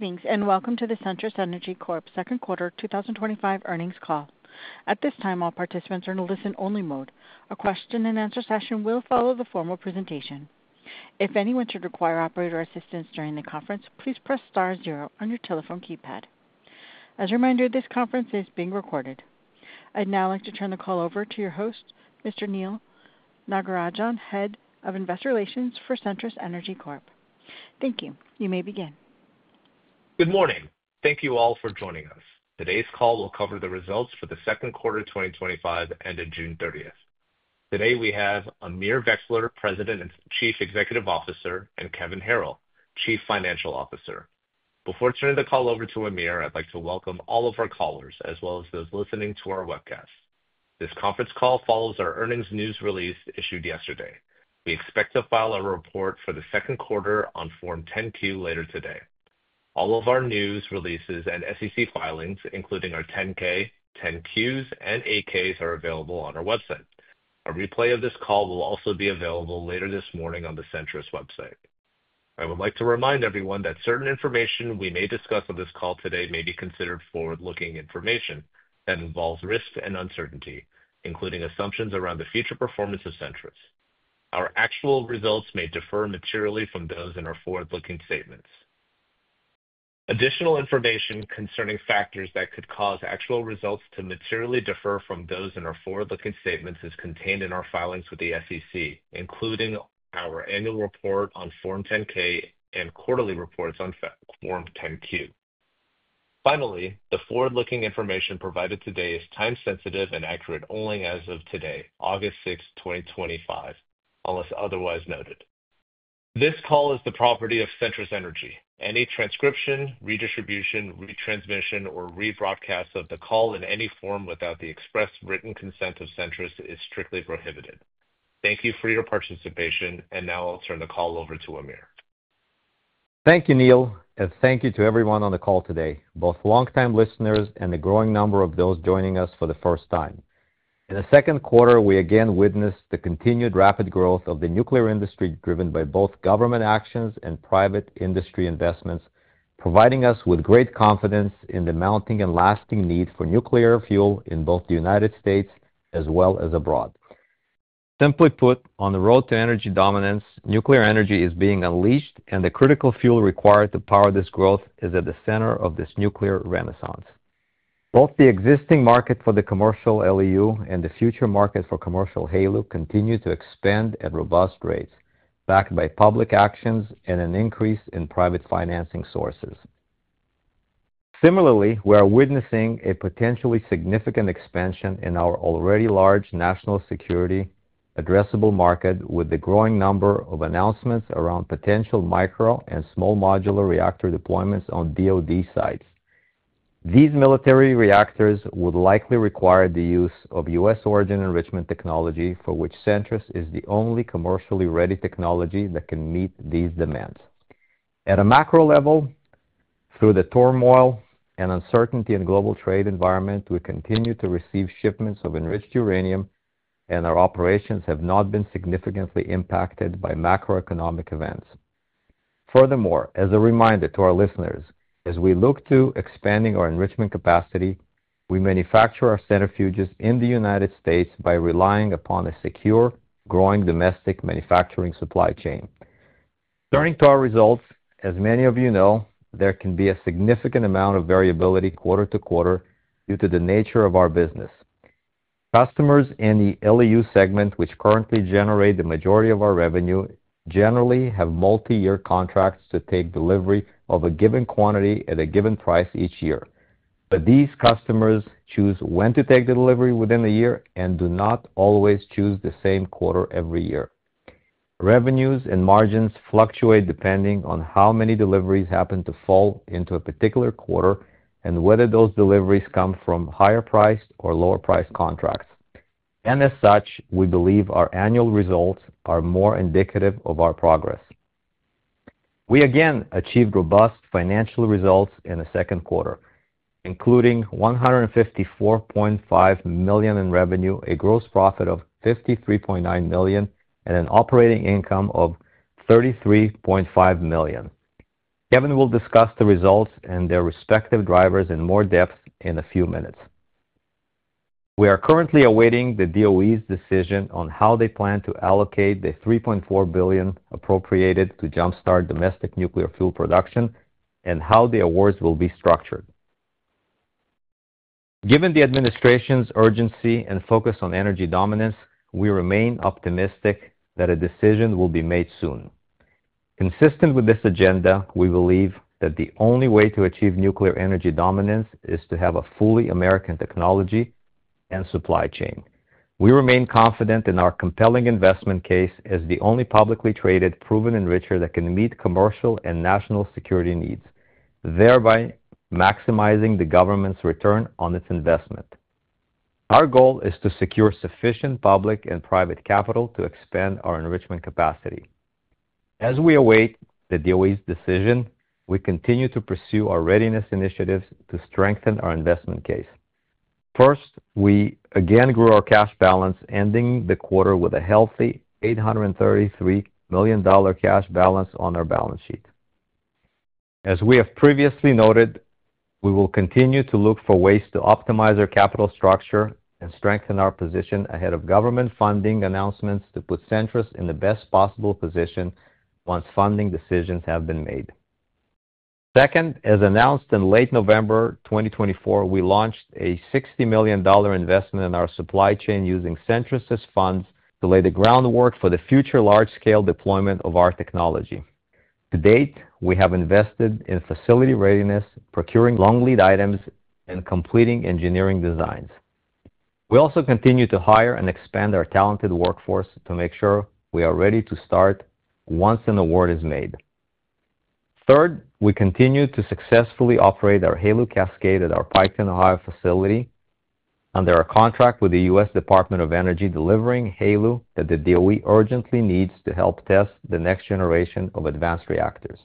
Greetings and welcome to the Centrus Energy Corp. Second Quarter 2025 Earnings Call. At this time, all participants are in a listen-only mode. A question and answer session will follow the formal presentation. If anyone should require operator assistance during the conference, please press Star zero on your telephone keypad. As a reminder, this conference is being recorded. I'd now like to turn the call over to your host, Mr. Neal Nagarajan, Head of Investor Relations for Centrus Energy Corp. Thank you. You may begin. Good morning. Thank you all for joining us. Today's call will cover the results for the second quarter 2025 ended June 30th. Today we have Amir Vexler, President and Chief Executive Officer, and Kevin Harrell, Chief Financial Officer. Before turning the call over to Amir, I'd like to welcome all of our callers as well as those listening to our webcast. This conference call follows our earnings news release issued yesterday. We expect to file a report for the second quarter on Form 10-Q later today. All of our news releases and SEC filings, including our 10-K, 10-Qs, and 8-Ks, are available on our website. A replay of this call will also be available later this morning on the Centrus Energy website. I would like to remind everyone that certain information we may discuss on this call today may be considered forward-looking information and involve risk and uncertainty, including assumptions around the future performance of Centrus. Our actual results may differ materially from those in our forward-looking statements. Additional information concerning factors that could cause actual results to materially differ from those in our forward-looking statements is contained in our filings with the SEC, including our annual report on Form 10-K and quarterly reports on Form 10-Q. Finally, the forward-looking information provided today is time sensitive and accurate only as of today, August 6th, 2025. Unless otherwise noted, this call is the property of Centrus Energy. Any transcription, redistribution, retransmission, or rebroadcast of the call in any form without the express written consent of Centrus is strictly prohibited. Thank you for your participation. Now I'll turn the call over to Amir. Thank you, Neal. And thank you to everyone on the call today, both longtime listeners and a growing number of those joining us. For the first time in the second quarter, we again witnessed the continued rapid growth of the nuclear industry driven by both government actions and private industry investments, providing us with great confidence in the mounting and lasting need for nuclear fuel in both the United States as well as abroad. Simply put, on the road to energy dominance, nuclear energy is being unleashed and the critical fuel required to power this growth is at the center of this nuclear renaissance, both the existing market for the commercial LEU and the future market for commercial HALEU continue to expand at robust rates backed by public actions and an increase in private financing sources. Similarly, we are witnessing a potentially significant expansion in our already large national security addressable market with the growing number of announcements around potential micro and small modular reactor deployments on DoD sites. These military reactors would likely require the use of U.S. origin enrichment technology, for which Centrus is the only commercially ready technology that can meet these demands at a macro level. Through the turmoil and uncertainty in the global trade environment, we continue to receive shipments of enriched uranium and our operations have not been significantly impacted by macroeconomic events. Furthermore, as a reminder to our listeners, as we look to expanding our enrichment capacity, we manufacture our centrifuges in the United States by relying upon a secure, growing domestic manufacturing supply chain. Turning to our results, as many of you know, there can be a significant amount of variability quarter to quarter due to the nature of our business. Customers in the LEU segment, which currently generate the majority of our revenue, generally have multi-year contracts to take delivery of a given quantity at a given price each year. These customers choose when to take delivery within the year and do not always choose the same quarter every year. Revenues and margins fluctuate depending on how many deliveries happen to fall into a particular quarter and whether those deliveries come from higher-priced or lower-priced contracts. As such, we believe our annual results are more indicative of our progress. We again achieved robust financial results in the second quarter, including $154.5 million in revenue, a gross profit of $53.9 million, and an operating income of $33.5 million. Kevin will discuss the results and their respective drivers in more depth in a few minutes. We are currently awaiting the DOE's decision on how they plan to allocate the $3.4 billion appropriated to jumpstart domestic nuclear fuel production and how the awards will be structured. Given the Administration's urgency and focus on energy dominance, we remain optimistic that a decision will be made soon consistent with this agenda. We believe that the only way to achieve nuclear energy dominance is to have a fully American technology and supply chain. We remain confident in our compelling investment case as the only publicly traded proven enricher that can meet commercial and national security needs, thereby maximizing the government's return on its investment. Our goal is to secure sufficient public and private capital to expand our enrichment capacity. As we await the DOE's decision, we continue to pursue our readiness initiatives to strengthen our investment case. First, we again grew our cash balance, ending the quarter with a healthy $833 million cash balance on our balance sheet. As we have previously noted, we will continue to look for ways to optimize our capital structure and strengthen our position ahead of government funding announcements to put Centrus in the best possible position once funding decisions have been made. Second, as announced in late November 2024, we launched a $60 million investment in our supply chain using Centrus funds to lay the groundwork for the future large-scale deployment of our technology. To date, we have invested in facility readiness, procuring long lead items, and completing engineering designs. We also continue to hire and expand our talented workforce to make sure we are ready to start once an award is made. Third, we continue to successfully operate our HALEU Cascade at our Piketon, Ohio facility under a contract with the U.S. Department of Energy, delivering HALEU that the DOE urgently needs to help test the next generation of advanced reactors.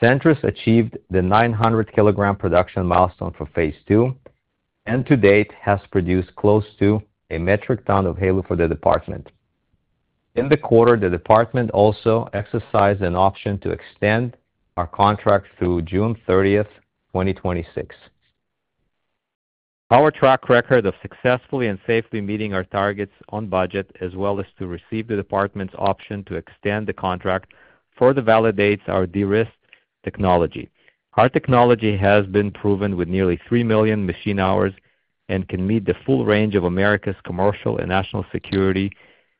Centrus achieved the 900 kg production milestone for phase II and to date has produced close to a metric ton of HALEU for the Department in the quarter. The Department also exercised an option to extend our contract through June 30th, 2026. Our track record of successfully and safely meeting our targets on budget as well as to receive the Department's option to extend the contract further validates our de-risked technology. Our technology has been proven with nearly 3 million machine hours and can meet the full range of America's commercial and national security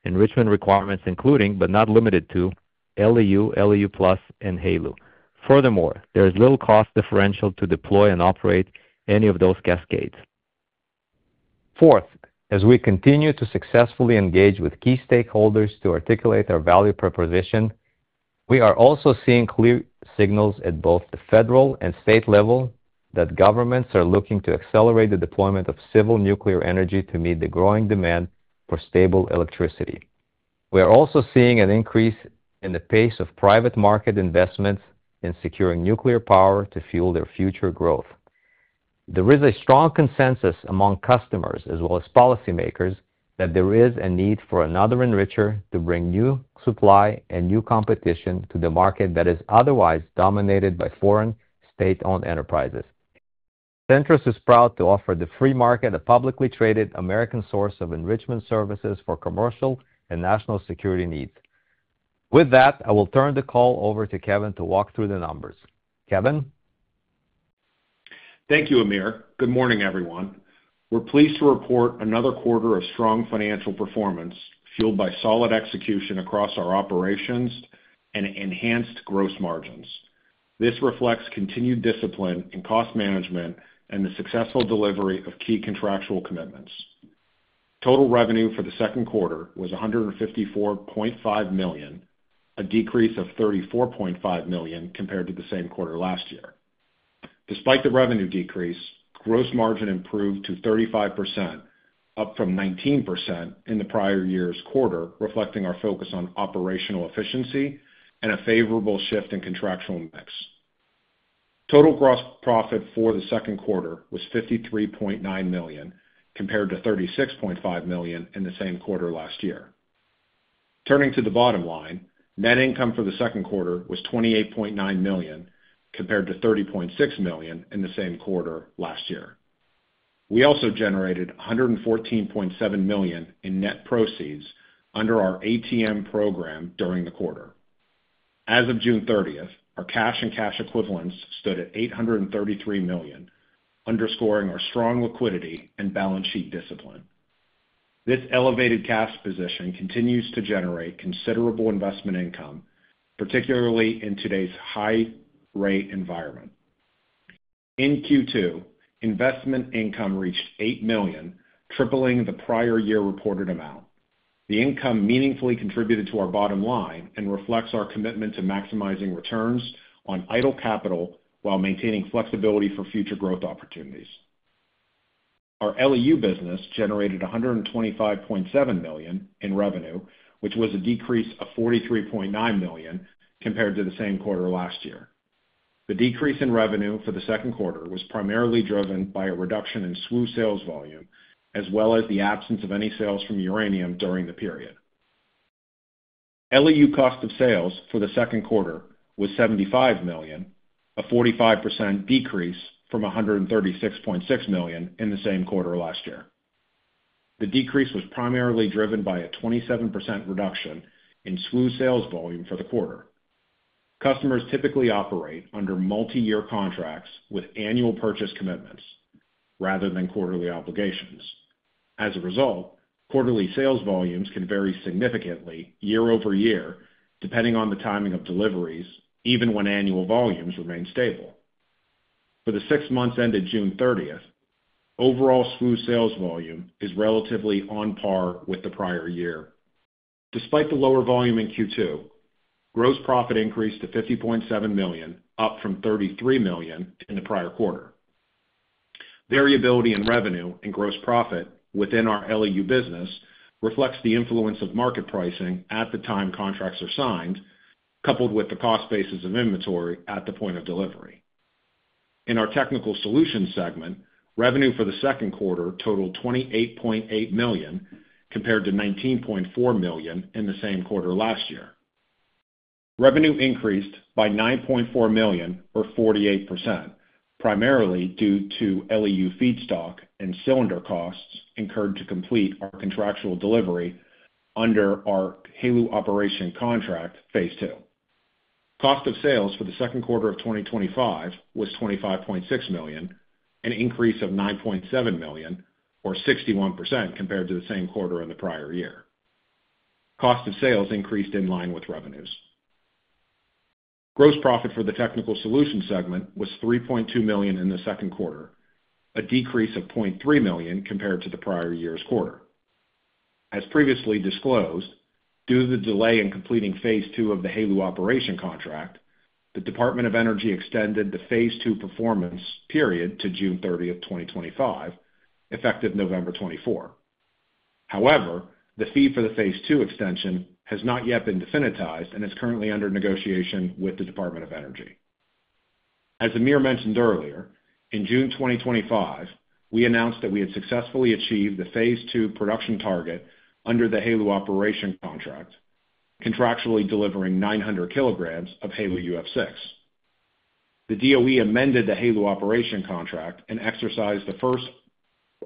enrichment requirements, including but not limited to LEU, LEU+, and HALEU. Furthermore, there is little cost differential to deploy and operate any of those cascades. Fourth, as we continue to successfully engage with key stakeholders to articulate our value proposition, we are also seeing clear signals at both the federal and state level that governments are looking to accelerate the deployment of civil nuclear energy to meet the growing demand for stable electricity. We are also seeing an increase in the pace of private market investments in securing nuclear power to fuel their future growth. There is a strong consensus among customers as well as policymakers that there is a need for another enricher to bring new supply and new competition to the market that is otherwise dominated by foreign state-owned enterprises. Centrus is proud to offer the free market a publicly traded American source of enrichment services for commercial and national security needs. With that, I will turn the call over to Kevin to walk through the numbers. Kevin. Thank you, Amir. Good morning, everyone. We're pleased to report another quarter of strong financial performance fueled by solid execution across our operations and enhanced gross margins. This reflects continued discipline in cost management and the successful delivery of key contractual commitments. Total revenue for the second quarter was $154.5 million, a decrease of $34.5 million compared to the same quarter last year. Despite the revenue decrease, gross margin improved to 35%, up from 19% in the prior year's quarter, reflecting our focus on operational efficiency and a favorable shift in contractual mix. Total gross profit for the second quarter was $53.9 million, compared to $36.5 million in the same quarter last year. Turning to the bottom line, net income for the second quarter was $28.9 million, compared to $30.6 million in the same quarter last year. We also generated $114.7 million in net proceeds under our ATM program during the quarter. As of June 30th, our cash and cash equivalents stood at $833 million, underscoring our strong liquidity and balance sheet discipline. This elevated cash position continues to generate considerable investment income, particularly in today's high rate environment. In Q2, investment income reached $8 million, tripling the prior year reported amount. The income meaningfully contributed to our bottom line and reflects our commitment to maximizing returns on idle capital while maintaining flexibility for future growth opportunities. Our LEU business generated $125.7 million in revenue, which was a decrease of $43.9 million compared to the same quarter last year. The decrease in revenue for the second quarter was primarily driven by a reduction in SWU sales volume as well as the absence of any sales from uranium during the period. LEU cost of sales for the second quarter was $75 million, a 45% decrease from $136.6 million in the same quarter last year. The decrease was primarily driven by a 27% reduction in SWU sales volume for the quarter. Customers typically operate under multi-year contracts with annual purchase commitments rather than quarterly obligations. As a result, quarterly sales volumes can vary significantly year-over-year depending on the timing of deliveries. Even when annual volumes remain stable, for the six months ended June 30th, overall SWU sales volume is relatively on par with the prior year. Despite the lower volume in Q2, gross profit increased to $50.7 million, up from $33 million in the prior quarter. Variability in revenue and gross profit within our LEU business reflects the influence of market pricing at the time contracts are signed, coupled with the cost basis of inventory at the point of delivery. In our Technical Solutions segment, revenue for the second quarter totaled $28.8 million compared to $19.4 million in the same quarter last year. Revenue increased by $9.4 million, or 48%, primarily due to LEU feedstock and cylinder costs incurred to complete our contractual delivery under our HALEU operation contract. Phase two cost of sales for the second quarter of 2025 was $25.6 million, an increase of $9.7 million, or 61%, compared to the same quarter in the prior year. Cost of sales increased in line with revenues. Gross profit for the Technical Solutions segment was $3.2 million in the second quarter, a decrease of $0.3 million compared to the prior year's quarter. As previously disclosed, due to the delay in completing phase II of the HALEU operation contract, the Department of Energy extended the phase II performance period to June 30th, 2025, effective November 24. However, the fee for the phase II extension has not yet been definitized and is currently under negotiation with the Department of Energy. As Amir mentioned earlier, in June 2025 we announced that we had successfully achieved the phase II production target under the HALEU operation contract, contractually delivering 900 kg of HALEU UF6. The DOE amended the HALEU operation contract and exercised the first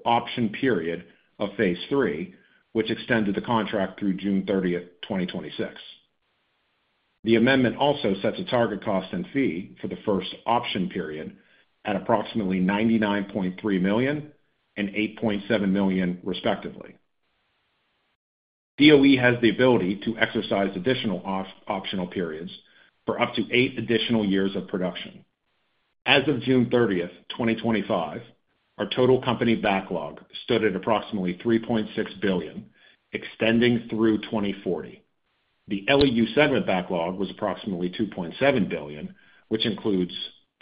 option period of phase III, which extended the contract through June 30th, 2026. The amendment also sets a target cost and fee for the first option period at approximately $99.3 million and $8.7 million, respectively. DOE has the ability to exercise additional optional periods for up to eight additional years of production. As of June 30th, 2025, our total company backlog stood at approximately $3.6 billion. Extending through 2040, the LEU segment backlog was approximately $2.7 billion, which includes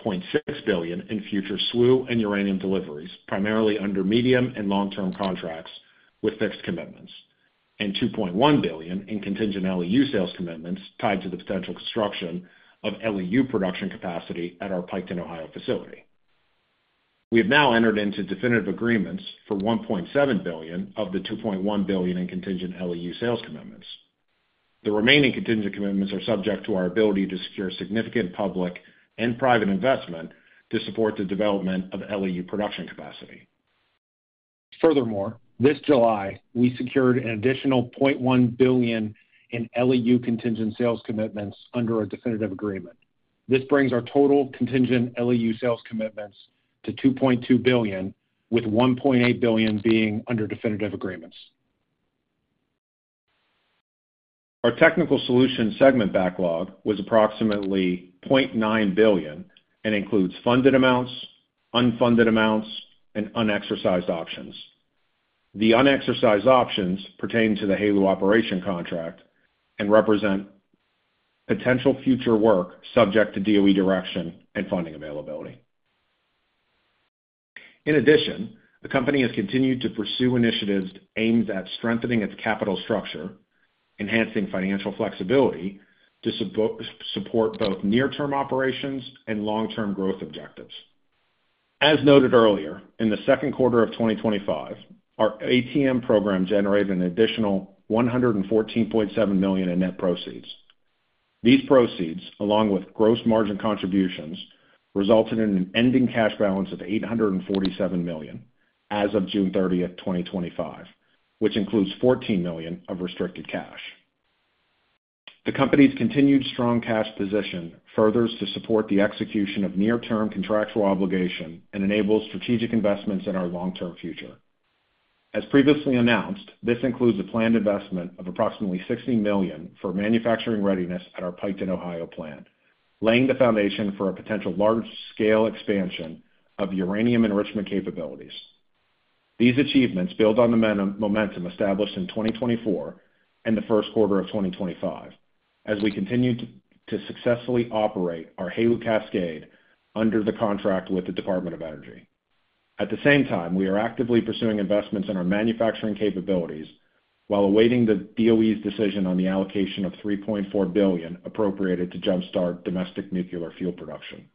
$0.6 billion in future SWU and uranium deliveries, primarily under medium and long-term contracts with fixed commitments, and $2.1 billion in contingent LEU sales commitments tied to the potential construction of LEU production capacity. At our Piketon, Ohio facility, we have now entered into definitive agreements for $1.7 billion of the $2.1 billion in contingent LEU sales commitments. The remaining contingent commitments are subject to our ability to secure significant public and private investment to support the development of LEU production capacity. Furthermore, this July we secured an additional $0.1 billion in LEU contingent sales commitments under a definitive agreement. This brings our total contingent LEU sales commitments to $2.2 billion, with $1.8 billion being under definitive agreements. Our Technical Solutions segment backlog was approximately $0.9 billion and includes funded amounts, unfunded amounts, and unexercised options. The unexercised options pertain to the HALEU operation contract and represent potential future work subject to DOE direction and funding availability. In addition, the Company has continued to pursue initiatives aimed at strengthening its capital structure, enhancing financial flexibility to support both near term operations and long term growth objectives. As noted earlier, in the second quarter of 2025 our ATM program generated an additional $114.7 million in net proceeds. These proceeds, along with gross margin contributions, resulted in an ending cash balance of $847 million as of June 30th, 2025, which includes $14 million of restricted cash. The Company's continued strong cash position furthers to support the execution of near term contractual obligation and enable strategic investments in our long term future. As previously announced, this includes a planned investment of approximately $60 million for manufacturing readiness at our Piketon, Ohio plant, laying the foundation for a potential large scale expansion of uranium enrichment capabilities. These achievements build on the momentum established in 2024 and the first quarter of 2025 as we continue to successfully operate our HALEU cascade under the contract with the Department of Energy. At the same time, we are actively pursuing investments in our manufacturing capabilities while awaiting the DOE's decision on the allocation of $3.4 billion appropriated to jumpstart domestic nuclear fuel production.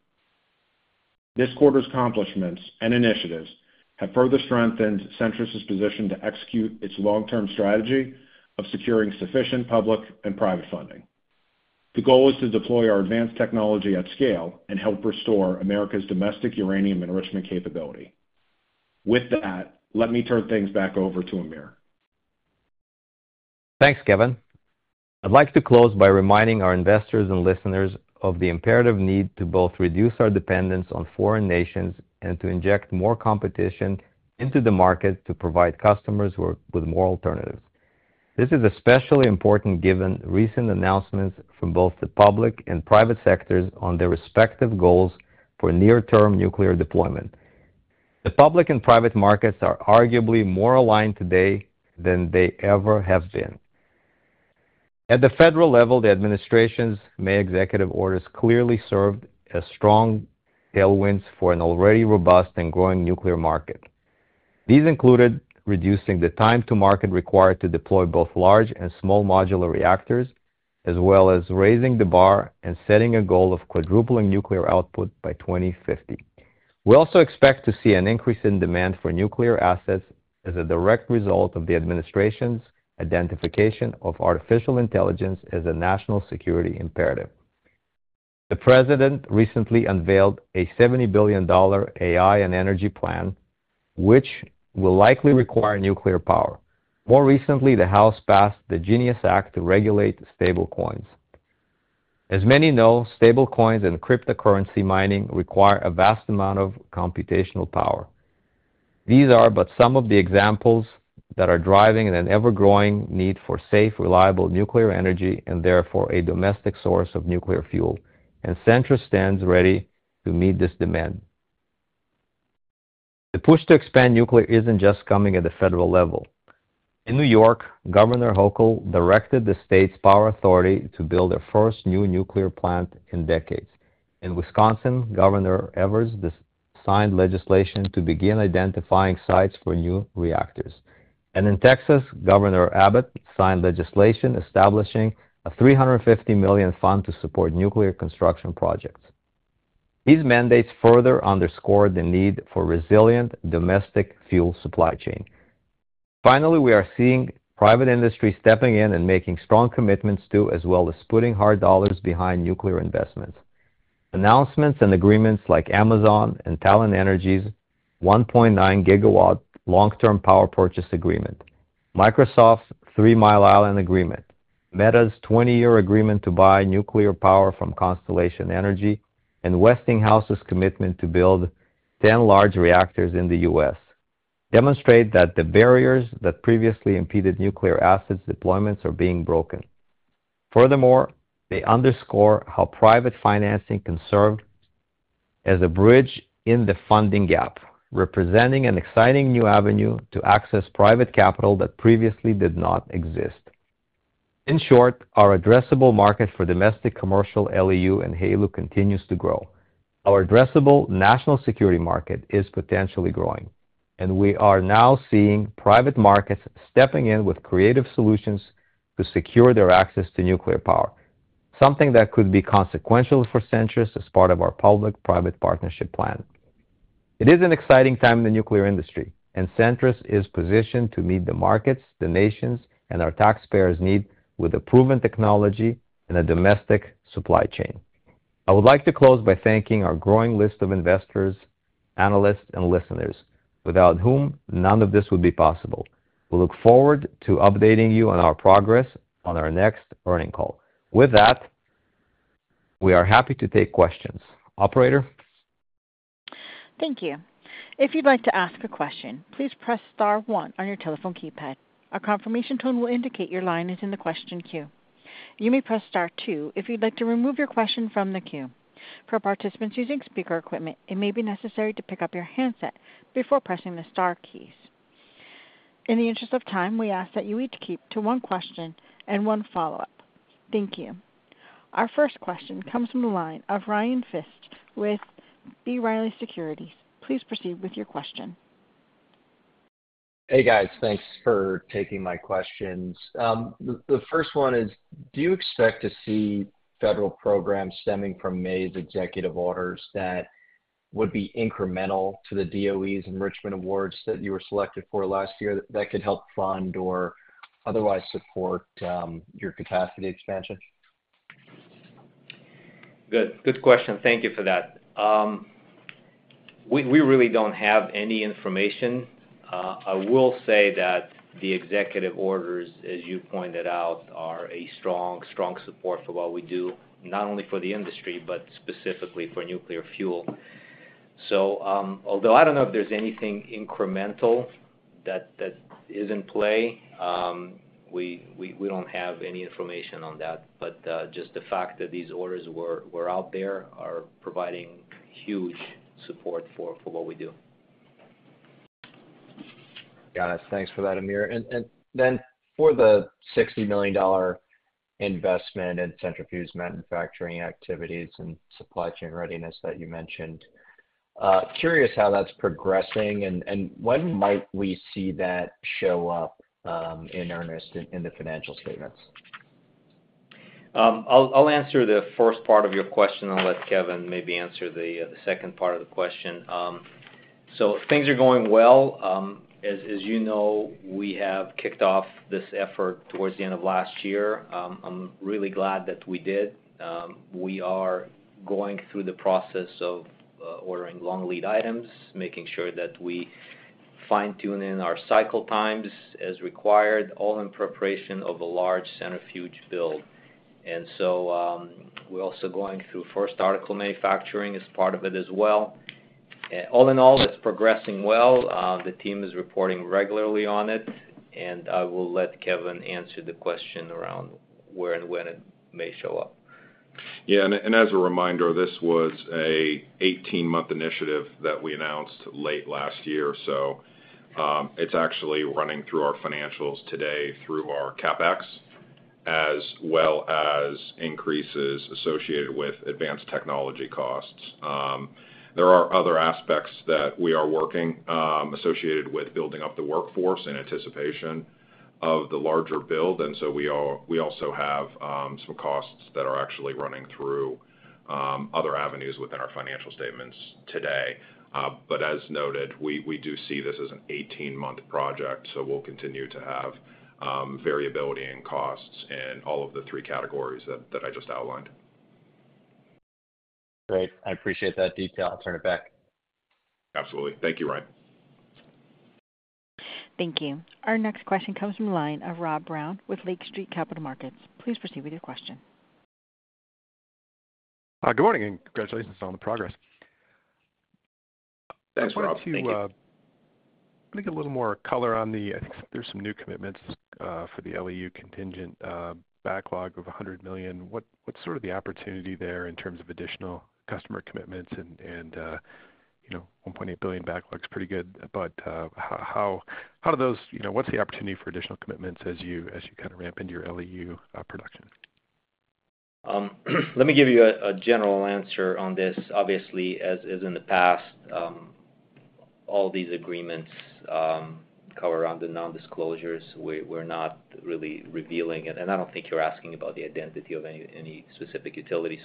This quarter's accomplishments and initiatives have further strengthened Centrus' position to execute its long term strategy of securing sufficient public and private funding. The goal is to deploy our advanced technology at scale and help restore America's domestic uranium enrichment capability. With that, let me turn things back over to Amir. Thanks, Kevin. I'd like to close by reminding our investors and listeners of the imperative need to both reduce our dependence on foreign nations and to inject more competition into the market to provide customers with more alternatives. This is especially important given recent announcements from both the public and private sectors on their respective goals for near-term nuclear deployment. The public and private markets are arguably more aligned today than they ever have been at the federal level. The Administration's May executive orders clearly served as strong tailwinds for an already robust and growing nuclear market. These included reducing the time to market required to deploy both large and small modular reactors, as well as raising the bar and setting a goal of quadrupling nuclear output by 2050. We also expect to see an increase in demand for nuclear assets as a direct result of the Administration's identification of artificial intelligence as a national security imperative. The President recently unveiled a $70 billion AI and energy plan, which will likely require nuclear power. More recently, the House passed the GENESIS Act to regulate stablecoins. As many know, stablecoins and cryptocurrency mining require a vast amount of computational power. These are but some of the examples that are driving an ever-growing need for safe, reliable nuclear energy and therefore a domestic source of nuclear fuel. Centrus stands ready to meet this demand. The push to expand nuclear isn't just coming at the federal level. In New York, Governor Hochul directed the state's Power Authority to build their first new nuclear plant in decades. In Wisconsin, Governor Evers signed legislation to begin identifying sites for new reactors. In Texas, Governor Abbott signed legislation establishing a $350 million fund to support nuclear construction projects. These mandates further underscore the need for a resilient domestic fuel supply chain. Finally, we are seeing private industry stepping in and making strong commitments to, as well as putting hard dollars behind, nuclear investment announcements and agreements like Amazon and Talen Energy's 1.9 GW long-term power purchase agreement, Microsoft's Three Mile Island agreement, Meta's 20-year agreement to buy nuclear power from Constellation Energy, and Westinghouse's commitment to build 10 large reactors in the United States demonstrate that the barriers that previously impeded nuclear assets deployments are being broken. Furthermore, they underscore how private financing can serve as a bridge in the funding gap, representing an exciting new avenue to access private capital that previously did not exist. In short, our addressable market for domestic commercial LEU and HALEU continues to grow. Our addressable national security market is potentially growing, and we are now seeing private markets stepping in with creative solutions to secure their access to nuclear power, something that could be consequential for Centrus as part of our public-private partnership plan. It is an exciting time in the nuclear industry, and Centrus is positioned to meet the markets, the nations, and our taxpayers' needs with a proven technology in a domestic supply chain. I would like to close by thanking our growing list of investors, analysts, and listeners, without whom none of this would be possible. We look forward to updating you on our progress on our next earnings call. With that, we are happy to take questions. Operator. Thank you. If you'd like to ask a question, please press Star one on your telephone keypad. A confirmation tone will indicate your line is in the question queue. You may press Star two if you'd like to remove your question from the queue. For participants using speaker equipment, it may be necessary to pick up your handset before pressing the Star keys. In the interest of time, we ask that you each keep to one question and one follow-up. Thank you. Our first question comes from the line of Ryan Pfingst with B. Riley. Please proceed with your question. Hey guys, thanks for taking my questions. The first one is do you expect to see federal programs stemming from May's executive orders that would be incremental to the DOE's enrichment awards that you were selected for last year that could help fund or otherwise support your capacity expansion. Good question. Thank you for that. We really don't have any information. I will say that the executive orders, as you pointed out, are a strong, strong support for what we do, not only for the industry, but specifically for nuclear fuel. Although I don't know if there's. Anything incremental that is in play, we don't have any information on that. Just the fact that these orders were out there are providing huge support for what we do. it. Thanks for that, Amir. For the $60 million investment in centrifuge manufacturing activities and supply chain readiness that you mentioned, curious how that's progressing and when might we see that show up in earnest in the financial statements? I'll answer the first part of your question. I'll let Kevin maybe answer the second part. If things are going well, as you know, we have kicked off this effort towards the end of last year. I'm really glad that we did. We are going through the process of ordering long lead items, making sure that we fine tune our cycle times as required, all in preparation of a large centrifuge build. We're also going through first article manufacturing as part of it as well. All in all, it's progressing well. The team is reporting regularly on it and I will let Kevin answer the question around where and when it may show up. Yeah, and as a reminder, this was an 18-month initiative that we announced late last year. It's actually running through our financials today through our CapEx, as well as increases associated with advanced technology costs. There are other aspects that we are working associated with building up the workforce in anticipation of the larger build. We also have some costs that are actually running through other avenues within our financial statements today. As noted, we do see this as an 18-month project. We'll continue to have variability in costs in all of the three categories that I just outlined. Great. I appreciate that detail. I'll turn it back. Absolutely. Thank you, Ryan. Thank you. Our next question comes from the line of Rob Brown with Lake Street Capital. Please proceed with your question. Good morning and congratulations on the progress. Thanks, Rob. A little more color on the, I think there's some new commitments for the. LEU contingent backlog of $100 million. What. What's sort of the opportunity there? Terms of additional customer commitments and you. Know, $1.8 billion backlogs. Pretty good. How do those, you know, what's the opportunity for additional commitments as. As you kind of ramp into your LEU production? Let me give you a general answer on this. Obviously, as is in the past, all these agreements cover under the non-disclosures. We're not really revealing it, and I don't think you're asking about the identity of any specific utility.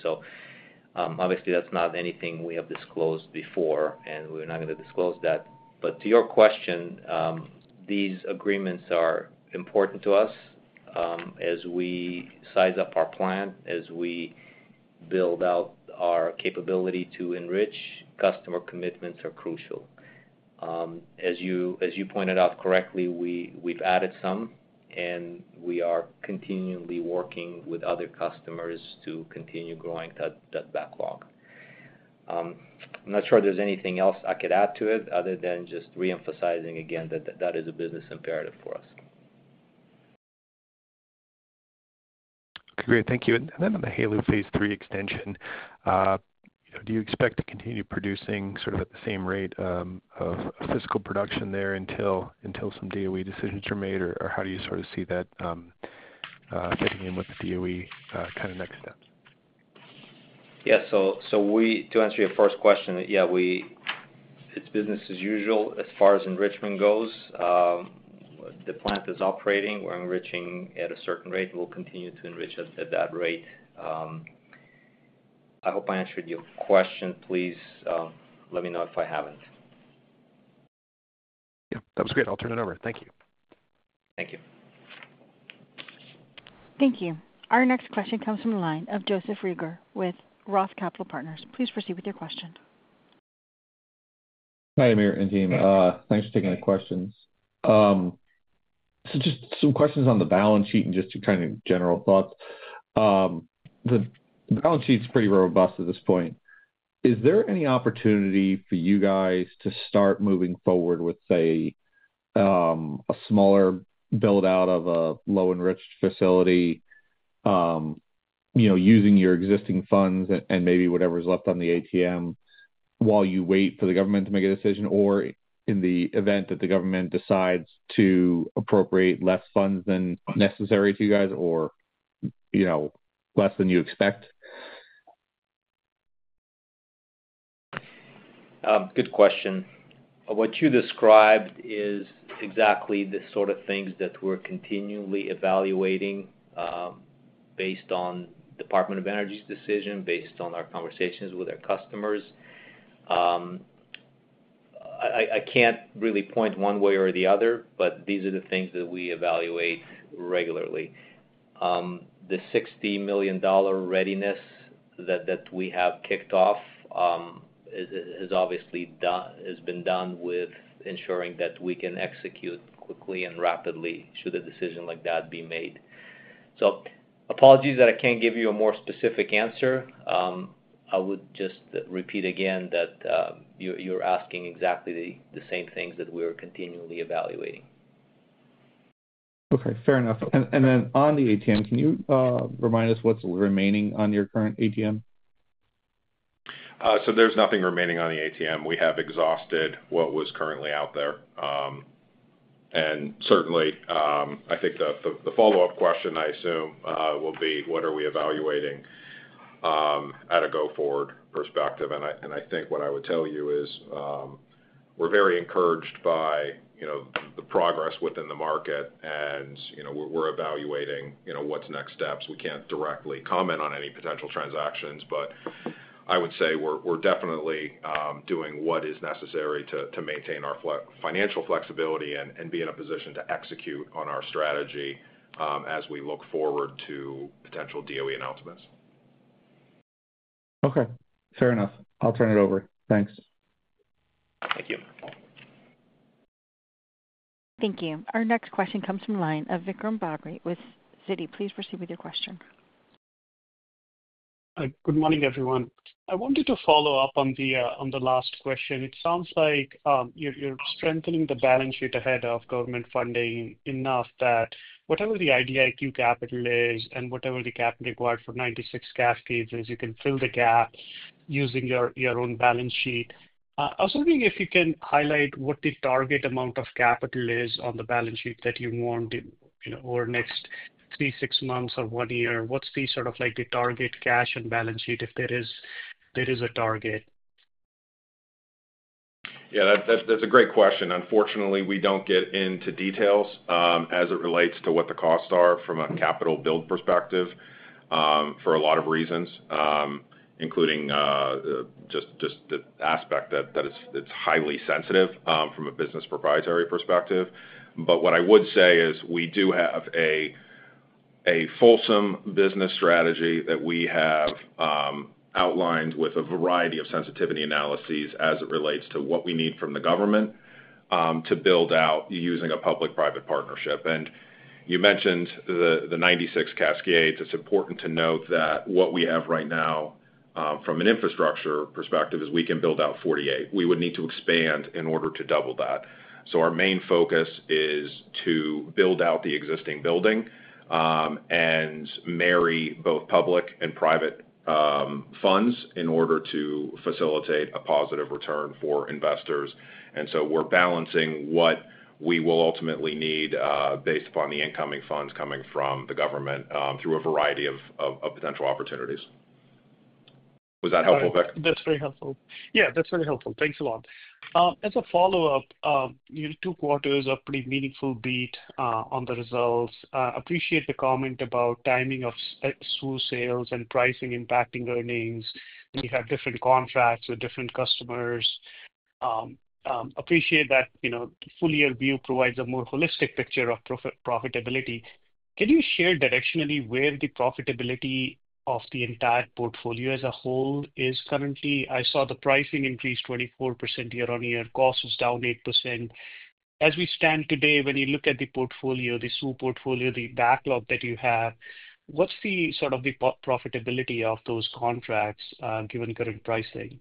That's not anything we have disclosed before, and we're not going to disclose that. To your question, these agreements are important to us as we size up our plan. As we build out our capability to enrich, customer commitments are crucial. As you pointed out correctly, we've added some, and we are continually working with other customers to continue growing that backlog. I'm not sure there's anything else I could add to it other than just re-emphasizing again that that is a business imperative for us. Great, thank you. On the HALEU phase III extension, do you expect to continue producing sort of at the same rate of physical production there until some DOE decisions are made, or how do you sort? I see that fitting in with the. DOE kind of next steps? Yeah, to answer your first question, yeah, it's business as usual as far as enrichment goes. The plant is operating. We're enriching at a certain rate. We'll continue to enrich at that rate. I hope I answered your question. Please let me know if I haven't. Yep, that was great. I'll turn it over. Thank you. Thank you. Thank you. Our next question comes from the line of Joseph Reagor with ROTH Capital. Please proceed with your question. Hi Amir and team, thanks for taking the questions. Just some questions on the balance. Sheet and just kind of general thoughts. The balance sheet's pretty robust at this point. Is there any opportunity for you guys to start moving forward with, say, a smaller build out of a low-enriched uranium facility, you know, using your existing funds and maybe whatever's left on the ATM while you wait for the government to make a decision, or in the event that the government decides to appropriate less funds than necessary to you guys, or, you know, less than you expect? Good question. What you described is exactly the sort of things that we're continually evaluating based on the U.S. Department of Energy's decision, based on our conversations with our customers. I can't really point one way or the other, but these are the things that we evaluate regularly. The $60 million readiness that we have kicked off has obviously been done with ensuring that we can execute quickly and rapidly should a decision like that be made. Apologies that I can't give you. A more specific answer. I would just repeat again that you're asking exactly the same things that we are continually evaluating. Okay, fair enough. On the ATM, can you remind us what's remaining on your current ATM? There is nothing remaining on the ATM. We have exhausted what was currently out there. I think the follow-up question I assume will be what are we evaluating at a go-forward perspective. I think what I would tell you is we're very encouraged by the progress within the market and we're evaluating what's next steps. We can't directly comment on any potential transactions, but I would say we're definitely doing what is necessary to maintain our financial flexibility and be in a position to execute on our strategy as we look forward to potential DOE announcements. Okay, fair enough. I'll turn it over. Thanks. Thank you. Thank you. Our next question comes from the line of Vikram Baghri with Citi. Please proceed with your question. Good morning everyone. I wanted to follow up on the last question. It sounds like you're strengthening the balance sheet ahead of government funding enough that whatever the IDIQ capital is and whatever the capital required for 96 cascades is, you can fill the gap using your own balance sheet. I was wondering if you can highlight what the target amount of capital is on the balance sheet that you want over the next three, six months or one year. What's the sort of like the target cash and balance sheet if there is a target? Yeah, that's a great question. Unfortunately, we don't get into details as it relates to what the costs are from a capital build perspective for a lot of reasons, including just the aspect that it's highly sensitive from a business proprietary perspective. What I would say is we do have a fulsome business strategy that we have outlined with a variety of sensitivity analyses as it relates to what we need from the government to build out using a public private partnership. You mentioned the 96 cascades. It's important to note that what we have right now from an infrastructure perspective is we can build out 48. We would need to expand in order to double that. Our main focus is to build out the existing building and marry both public and private funds in order to facilitate a positive return for investors. We're balancing what we will ultimately need based upon the incoming funds coming from the government through a variety of potential opportunities. Was that helpful? That's very helpful. Thanks a lot. As a follow up, two quarters are pretty meaningful. Beat on the results. Appreciate the comment about timing of SWU sales and pricing impacting earnings. You have different contracts with different customers. Appreciate that full year view provides a more holistic picture of profitability. Can you share directionally where the profitability of the entire portfolio as a whole is? Currently, I saw the pricing increase 24% year on year. Cost was down 8%. As we stand today, when you look at the portfolio, the SWU portfolio, the backlog that you have, what's the sort of the profitability of those contracts given current pricing?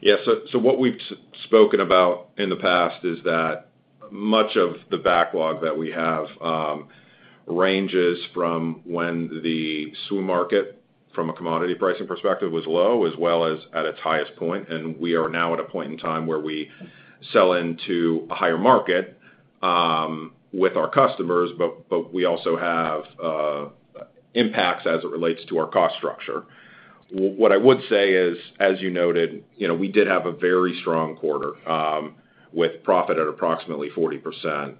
Yes. What we've spoken about in the past is that much of the backlog that we have ranges from when the SWU market from a commodity pricing perspective was low as well as at its highest point. We are now at a point in time where we sell into a higher market with our customers. We also have impacts as it relates to our cost structure. What I would say is, as you noted, we did have a very strong quarter with profit at approximately 40%.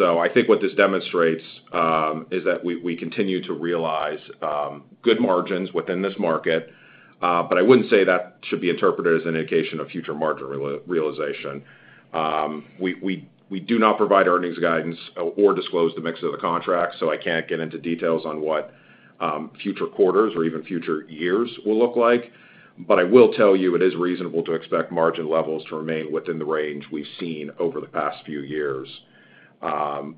I think what this demonstrates is that we continue to realize good margins within this market. I wouldn't say that should be interpreted as an indication of future margin realization. We do not provide earnings guidance or disclose the mix of the contracts. I can't get into details on what future quarters or even future years will look like. I will tell you it is reasonable to expect margin levels to remain within the range we've seen over the past few years. From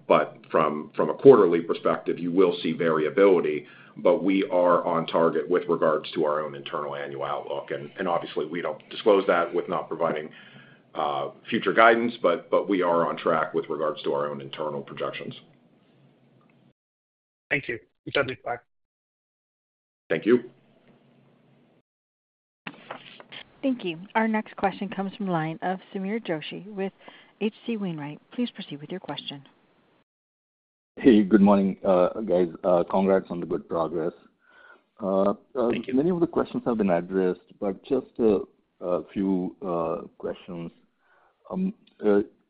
a quarterly perspective, you will see variability. We are on target with regards to our own internal annual outlook. Obviously we don't disclose that with not providing future guidance. We are on track with regards to our own internal projections. Thank you. Thank you. Thank you. Our next question comes from the line of Sameer Joshi with H.C. Wainwright. Please proceed with your question. Hey, good morning guys. Congrats on the good progress. Many of the questions have been addressed, just a few questions.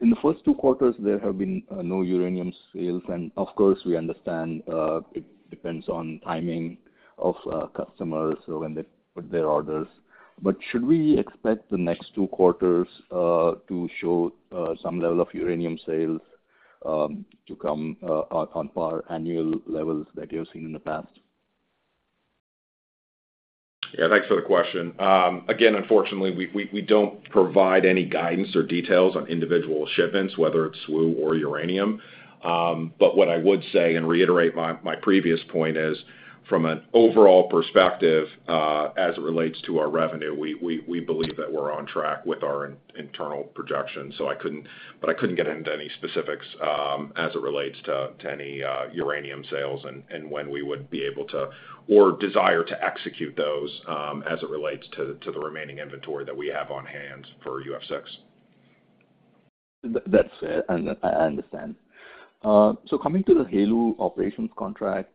In the first two quarters, there have been no uranium sales. Of course, we understand it depends on timing of customers when they put their orders. Should we expect the next two quarters to show some level of uranium sales to come on par annual levels that you've seen in the past? Yeah, thanks for the question. Unfortunately, we don't provide any guidance or details on individual shipments, whether it's SWU or uranium. What I would say and reiterate is from an overall perspective as it relates to our revenue, we believe that we're on track with our internal projections. I couldn't get into any specifics as it relates to any uranium sales and when we would be able to or desire to execute those as it relates to the remaining inventory that we have on hand for UF6. That's fair, I understand. Coming to the HALEU operations contract,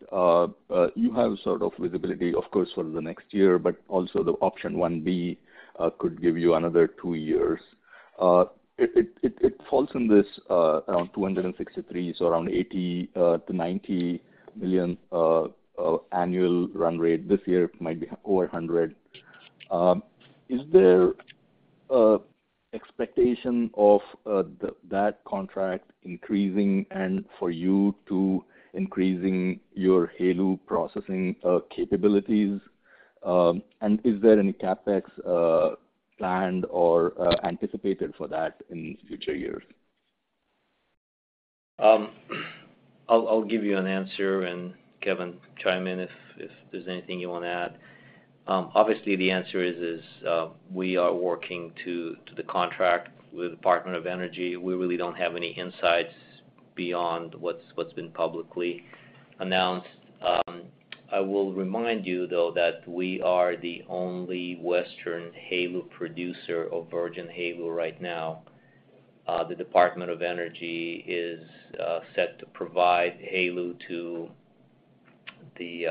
you have sort of visibility, of course, for the next year, but also the option 1B could give you another two years. It falls in this around $263 million, so around $80 to $90 million. Annual run rate this year might be over $100 million. Is there expectation of that contract increasing and for you to increase your HALEU processing capabilities? Is there any CapEx planned or anticipated for that in future years? I'll give you an answer. Kevin, chime in if there's anything you want to add. Obviously, the answer is we are working to the contract with the U.S. Department of Energy. We really don't have any insights beyond what's been publicly announced. I will remind you though that we are the only Western HALEU producer of virgin HALEU. Right now, the Department of Energy is set to provide HALEU to the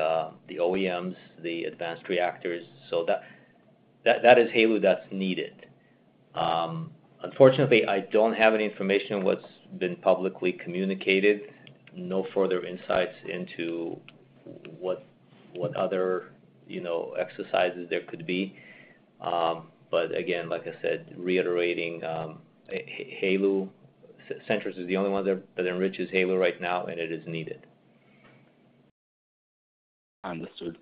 OEMs, the advanced reactors. That is HALEU that's needed. Unfortunately, I don't have any information on what's been publicly communicated. No further insights into what other exercises there could be. Again, like I said, reiterating, Centrus is the only one that enriches HALEU right now and it is needed. Understood.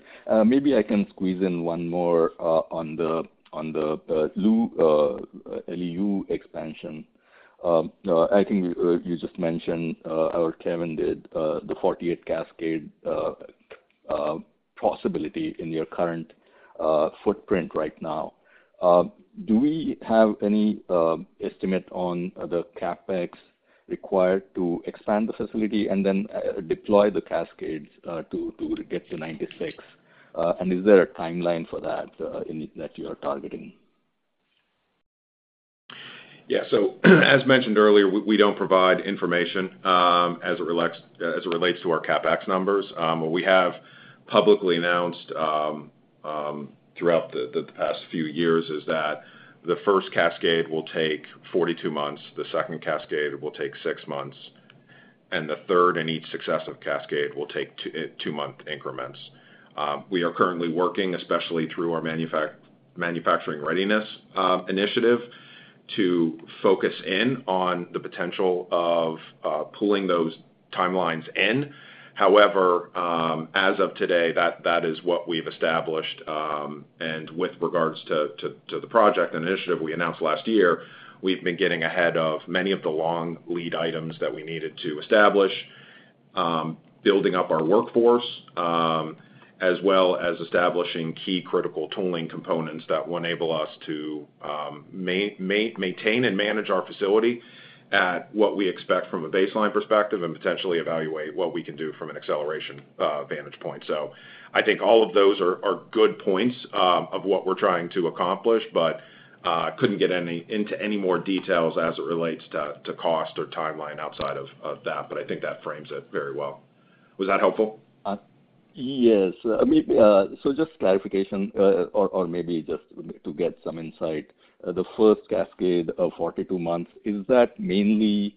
Maybe I can squeeze in one more on the, on the LEU expansion. I think you just mentioned our Chairman did the 48 cascade possibility in your current footprint right now. Do we have any estimate on the CapEx required to expand the facility and then deploy the cascades to get to 96? Is there a timeline for that that you are targeting? Yeah. As mentioned earlier, we don't provide information as it relates to our CapEx numbers. We have publicly announced throughout the past few years that the first cascade will take 42 months, the second cascade will take six months, and the third and each successive cascade will take two month increments. We are currently working, especially through our manufacturing Readiness Initiative, to focus in on the potential of pulling those timelines in. However, as of today, that is what we've established. With regards to the project initiative we announced last year, we've been getting ahead of many of the long lead items that we needed to establish, building up our workforce as well as establishing key critical tooling components that will enable us to maintain and manage our facility at what we expect from a baseline perspective and potentially evaluate what we can do from an acceleration vantage point. I think all of those are. Good points of what we're trying to accomplish, couldn't get into any more details as it relates to cost or timeline outside of that. I think that frames it very well. Was that helpful? Yes. Just clarification or maybe just to get some insight. The first cascade of 42 months, is that mainly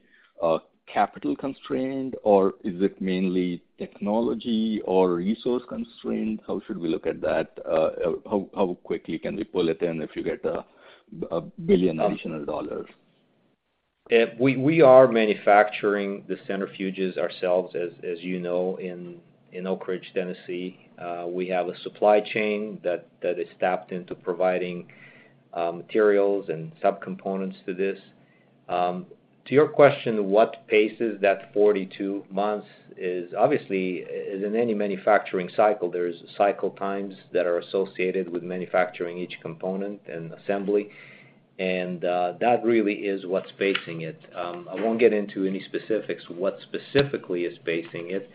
capital constrained or is it mainly technology or resource constrained? How should we look at that? How quickly can we pull it in if you get $1 billion additional? We are manufacturing the centrifuges ourselves. As you know, in Oak Ridge, Tennessee, we have a supply chain that is tapped into providing materials and subcomponents to this. To your question, what paces that 42 months is obviously in any manufacturing cycle, there are cycle times that are associated with manufacturing each component and assembly. That really is what's pacing it. I won't get into any specifics. What specifically is pacing it,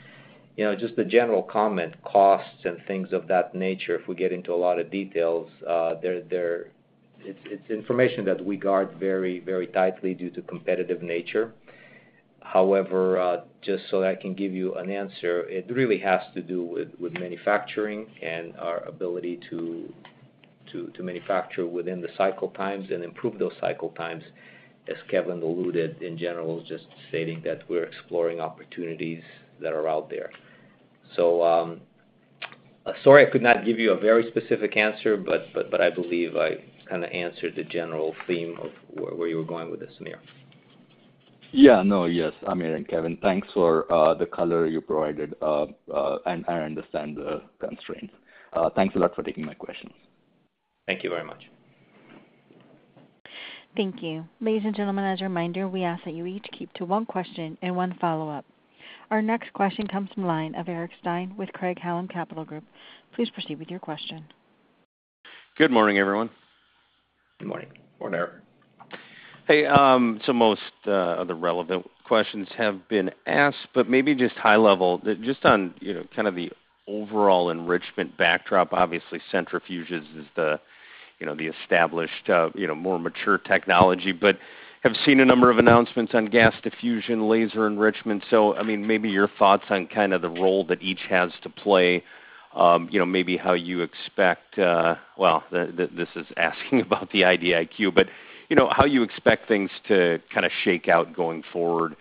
just the general comment, costs and things of that nature. If we get into a lot of details, they're information that we guard very, very tightly due to competitive nature. However, just so that I can give you an answer, it really has to do with manufacturing and our ability to manufacture within the cycle times and improve those cycle times, as Kevin Harrell alluded in general, just stating that we're exploring opportunities that are out there. Sorry I could not give you a very specific answer, but I believe I kind of answered the general theme. Of where you were going with this. Sameer. Yes, Amir and Kevin, thanks for the color you provided and I understand the constraints. Thanks a lot for taking my questions. Thank you very much. Thank you. Ladies and gentlemen, as a reminder, we ask that you each keep to one question and one follow-up. Our next question comes from the line of Eric Stine with Craig-Hallum Capital Group. Please proceed with your question. Good morning, everyone. Good morning. Or Eric. Hey. Most of the relevant questions have. Been asked but maybe just high level, just on, you know, kind of the overall enrichment backdrop. Obviously, centrifuges is the, you know, the. Established, you know, more mature technology. I have seen a number of announcements on gas diffusion, laser enrichment. Maybe your thoughts on. Kind of the role that each has. To play how you expect. This is asking about the IDIQ. How you expect things to kind of shake out going forward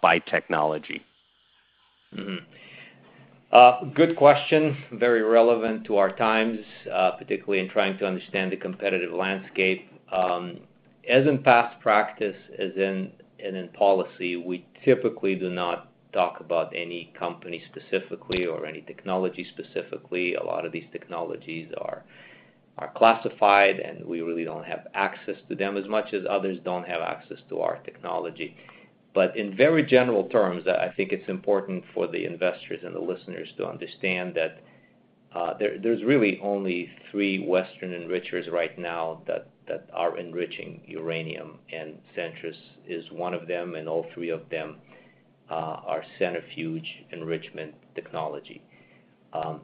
by technology? Good question. Very relevant to our times, particularly in trying to understand the competitive landscape. As in past practice, as in policy, we typically do not talk about any company specifically or any technology specifically. A lot of these technologies are classified, and we really don't have access to them as much as others don't have access to our technology. In very general terms, I think it's important for the investors and the listeners to understand that there's really only three Western enrichers right now that are enriching uranium, and Centrus is one of them. All three of them are centrifuge enrichment technology.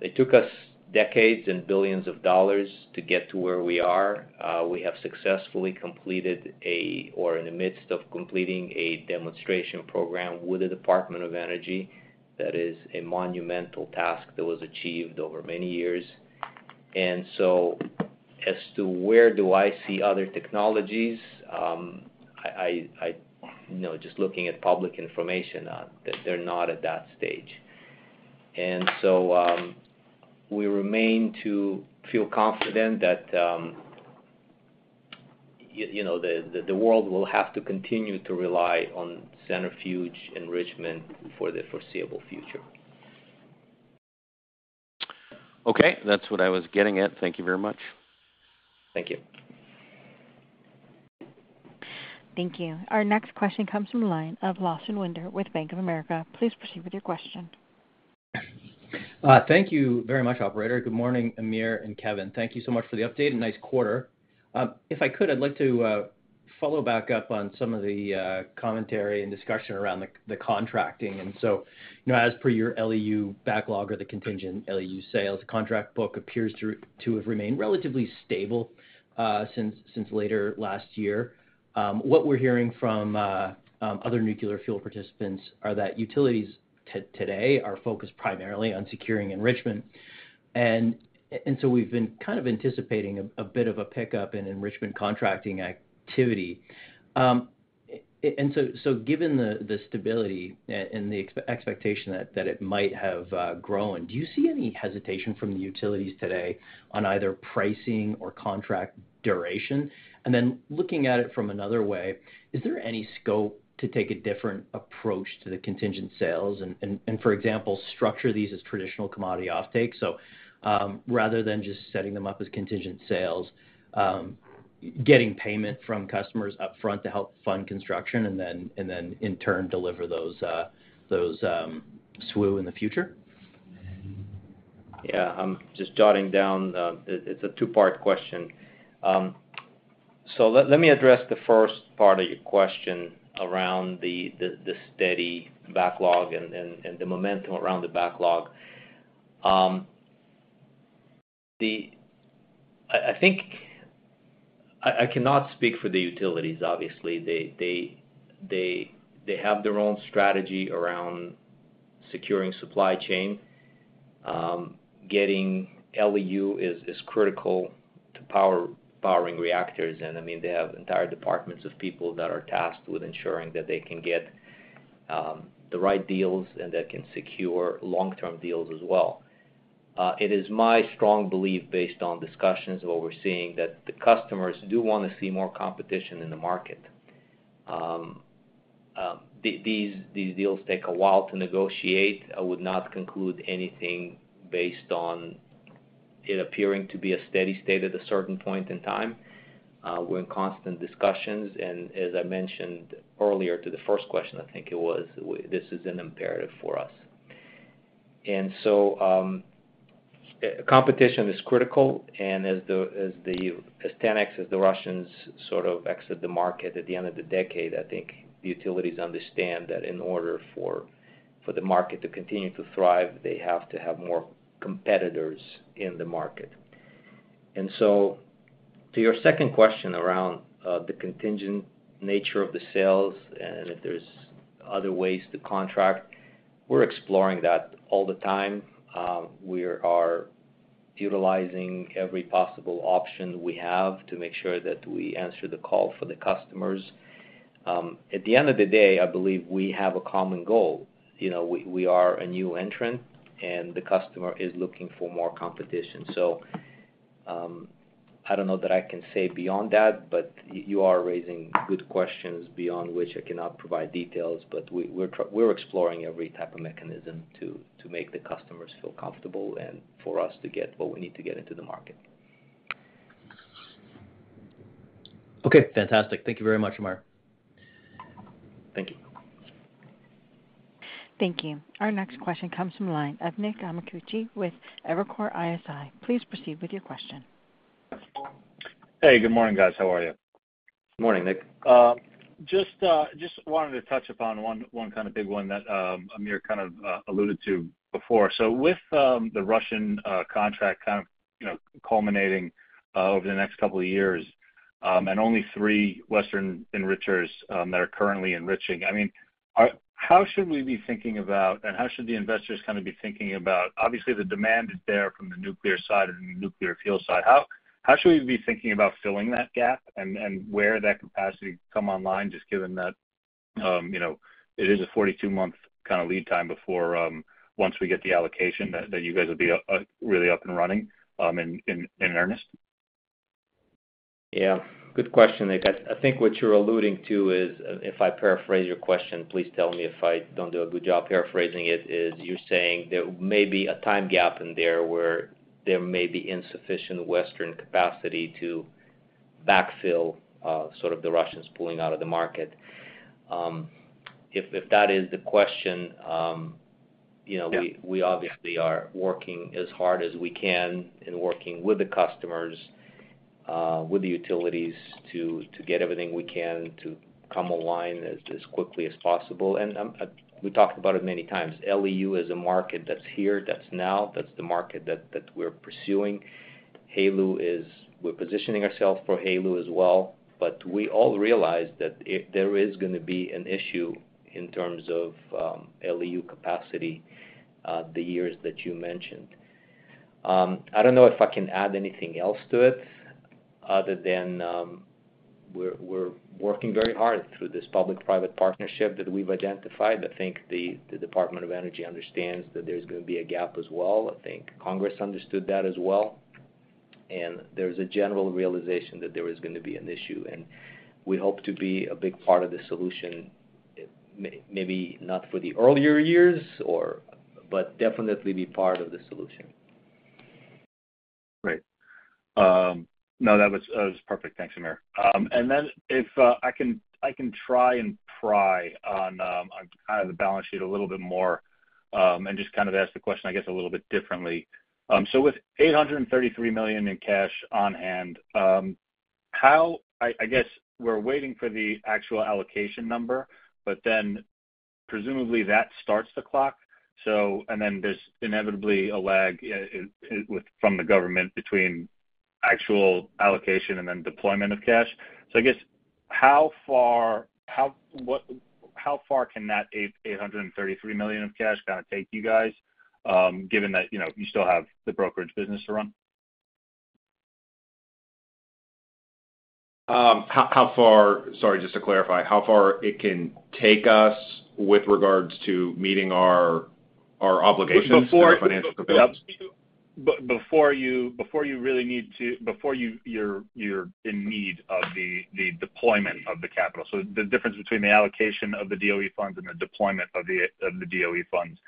It took us decades and billions of dollars to get to where we are. We have successfully completed, or are in the midst of completing, a demonstration program with the Department of Energy. That is a monumental task that was achieved over many years. As to where do I see other technologies, just looking at public information, they're not at that stage. We remain to feel confident that the world will have to continue to rely on centrifuge enrichment for the foreseeable future. Okay, that's what I was getting at. Thank you very much. Thank you. Thank you. Our next question comes from the line of Lawson Winder with Bank of America. Please proceed with your question. Thank you very much, Operator. Good morning. Amir and Kevin, thank you so much for the update. A nice quarter. If I could, I'd like to follow back up on some of the commentary and discussion around the contracting. As per your LEU backlog, the contingent LEU sales contract book appears to have remained relatively stable since later last year. What we're hearing from other nuclear fuel participants is that utilities today are focused primarily on securing enrichment. We've been kind of anticipating a bit of a pickup in enrichment contracting activity. Given the stability and the expectation that it might have grown, do you see any hesitation from the utilities today on either pricing or duration? Looking at it from another way, is there any scope to take a different approach to the contingent sales and, for example, structure these as traditional commodity offtake? Rather than just setting them up as contingent sales, getting payment from customers up front to help fund construction and then in turn deliver those SWU in the future? I'm just jotting down, it's a two part question. Let me address the first part of your question. Around the steady backlog and the momentum around the backlog. I think I cannot speak for the utilities. Obviously, they have their own strategy around securing supply chain. Getting LEU is critical to powering reactors. They have entire departments of people that are tasked with ensuring that they can get the right deals and that can secure long term deals as well. It is my strong belief, based on discussions, what we're seeing, that the customers do want to see more competition in the market. These deals take a while to negotiate. I would not conclude anything based on it appearing to be a steady state at a certain point in time. We're in constant discussions and as I mentioned earlier to the first question, I think it was this is an imperative for us. Competition is critical. As Tenex, as the Russians sort of exit the market at the end of the decade, I think utilities understand that in order for the market to continue to thrive, they have to have more competitors in the market. To your second question around. The contingent nature of the sales and if there's other ways to contract, we're exploring that all the time. We are utilizing every possible option. We have to make sure that we answer the call for the customers. At the end of the day, I believe we have a common goal. We are a new entrant and the customer is looking for more competition. I don't know that I can say beyond that. You are raising good questions, beyond which I cannot provide details. We're exploring every type of mechanism to make the customers feel comfortable and for us to get what we need to get into the market. Okay, fantastic. Thank you very much, Amir. Thank you. Thank you. Our next question comes from the line of Nick Amatuzzi with Evercore ISI, please proceed with your question. Hey, good morning guys. How are you? Good morning, Nick. I wanted to touch upon one kind of big one that Amir kind of alluded to before. With the Russian contract kind of culminating over the next couple of years and only three western enrichers that are currently enriching, how should we be thinking about and how should the investors kind of be thinking about it? Obviously the demand is there from the nuclear side and nuclear fuel, but how should we be thinking about filling that gap and where that capacity comes online just given that it is a 42 month kind of lead time before once we get the allocation that you guys will be really up and running in earnest. Yeah, good question, Nick. I think what you're alluding to is if I paraphrase your question, please tell me if I don't do a good job paraphrasing. It is you're saying there may be a time gap in there where there may be insufficient Western capacity to backfill, sort of the Russians pulling out of the market, if that is the question. We obviously are working as hard as we can in working with the customers, with the utilities to get everything we can to come align as quickly as possible. We talked about it many times. LEU is a market that's here, that's now. That's the market that we're pursuing. HALEU is, we're positioning ourselves for HALEU as well. We all realize that there is going to be an issue in terms of LEU capacity. The years that you mentioned, I don't know if I can add anything else to it other than we're working very hard through this public private. Partnership that we've identified. I think the Department of Energy understands that there's going to be a gap as well. I think Congress understood that as well. There is a general realization that there is going to be an issue, and we hope to be a big part of the solution. Maybe not for the earlier years, but definitely be part of the solution. Right. No, that was perfect. Thanks, Amir. If I can try and pry on the balance sheet a little bit more and just kind of ask the question, I guess a little bit differently. With $833 million in cash on hand, I guess we're waiting for the actual allocation number, but presumably that starts the clock, and there's inevitably a lag from the government between actual allocation and then deployment of cash. I guess. How far? How what? How far can that $833 million of cash take you guys, given that you still have the brokerage business to run? Sorry, just to clarify, how far is it? Can you take us with regards to meeting. Our obligations. Before you really need to, before you're in need of the deployment of the capital. The difference between the allocation of the DOE funds and the deployment of the DOE funds,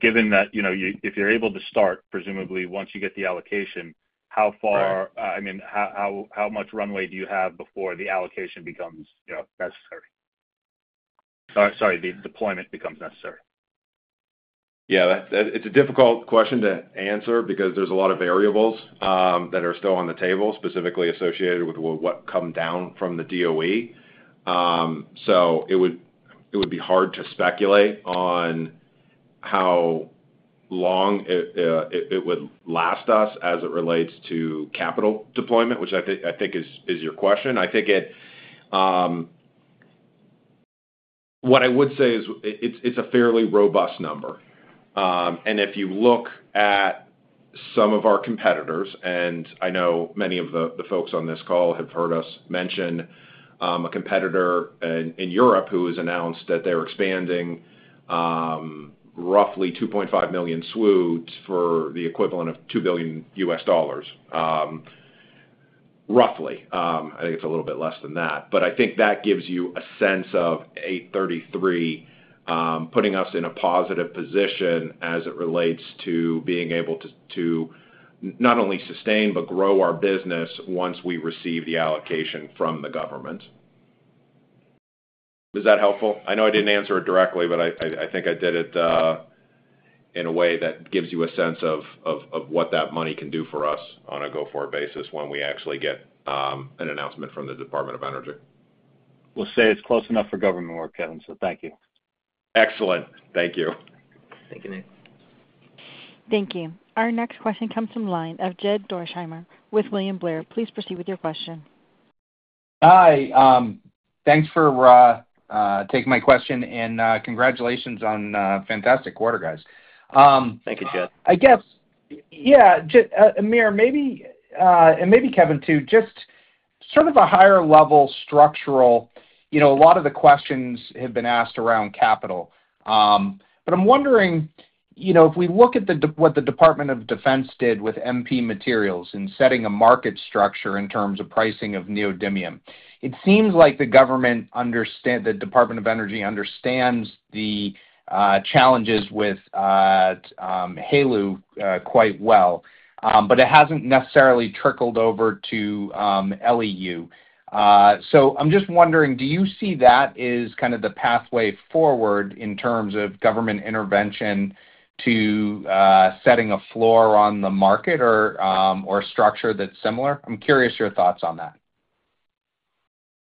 given that, if you're able to start, presumably once you get the allocation, how far, I mean, how much runway do you have before the allocation becomes necessary, sorry, the deployment becomes necessary? Yeah. It's a difficult question to answer because there's a lot of variables that are still on the table, specifically associated with what comes down from the DOE. It would be hard to speculate on how long it would last us as it relates to capital deployment, which I think is your question. What I would say is it's a fairly robust number, and if you look at some of our competitors, and I know many of the folks on this call have heard us mention a competitor in Europe who has announced that they're expanding roughly 2.5 million SWU for the equivalent of $2 billion. I think it's a little bit less than that, but I think that gives you a sense of putting us in a positive position as it relates to being able to not only sustain but grow our business once we receive the allocation from the government. Is that helpful? I know I didn't answer it directly, but I think I did it in a way that gives you a sense of what that money can do for us on a go forward basis when we actually get an announcement from. The Department of Energy. we'll say it's. Close enough for government work, Kevin. Thank you. Excellent. Thank you. Thank you, Nate. Thank you. Our next question comes from the line of Jed Dorsheimer with William Blair. Please proceed with your question. Hi, thanks for taking my question. Congratulations on a fantastic quarter, guys. Thank you, Jed. I guess, yeah, Amir maybe and maybe Kevin too. Just sort of a higher-level structural. You know, a lot of the questions have been asked around capital. I'm wondering, you know, if we. Look at what the Department of Defense did with MP Materials in setting a market structure in terms of pricing of neodymium. It seems like the government understands. The Department of Energy understands the challenges. With HALEU quite well, but it hasn't. Necessarily trickled over to LEU. I'm just wondering, do you see that is kind of the pathway forward in terms of government intervention to setting a floor on the market or structure that's similar? I'm curious your thoughts on that.